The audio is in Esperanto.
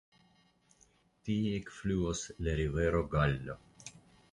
Tie ekfluas la rivero Gallo.